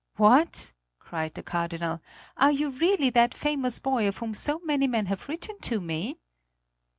"What!" cried the Cardinal. "Are you really that famous boy of whom so many men have written to me?"